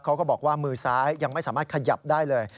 เขาก็บอกว่ามือซ้ายยังไม่สามารถขยับได้เลย